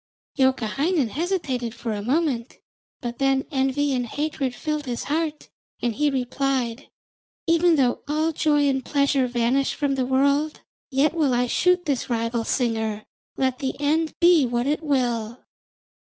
Youkahainen hesitated for a moment, but then envy and hatred filled his heart, and he replied: 'Even though all joy and pleasure vanish from the world, yet will I shoot this rival singer, let the end be what it will.'